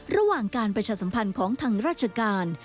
ระหว่างการประชาสัมพันธ์ของทางราชการ